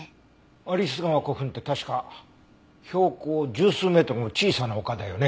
有栖川古墳って確か標高十数メートルの小さな丘だよね。